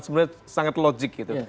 sebenarnya sangat logik